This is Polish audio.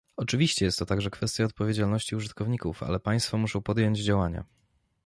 Oczywiście jest to także kwestia odpowiedzialności użytkowników, ale państwa muszą podjąć działania